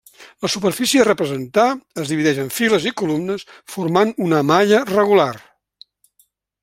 La superfície a representar es divideix en files i columnes formant una malla regular.